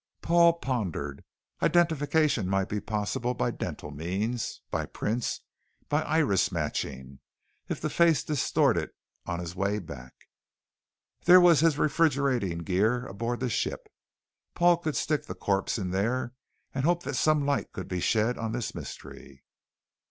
Paul pondered. Identification might be possible by dental means, by prints, by iris matching, if the face distorted on his way back. There was his refrigerating gear aboard the ship, Paul could stick the corpse in there and hope that some light could be shed on this mystery.